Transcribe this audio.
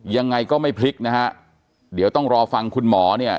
ยังไงก็ไม่พลิกนะฮะเดี๋ยวต้องรอฟังคุณหมอเนี่ย